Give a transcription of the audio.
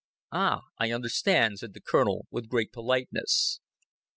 "Ah, I understand," said the Colonel, with great politeness.